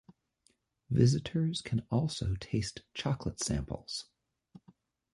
Visitors can also taste chocolate samples.